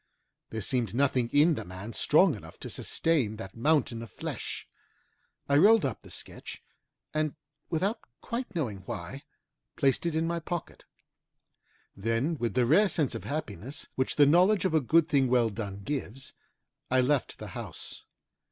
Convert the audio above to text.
There seemed nothing in the man strong enough to sustain that mountain of flesh. I rolled up the sketch, and without quite knowing why, placed it in my pocket. Then with the rare sense of happiness which the knowledge of a good thing well done gives, I left the house.